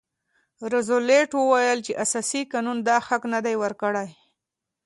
روزولټ وویل چې اساسي قانون دا حق نه دی ورکړی.